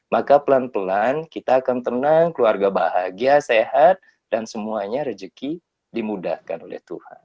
maka pelan pelan kita akan tenang keluarga bahagia sehat dan semuanya rezeki dimudahkan oleh tuhan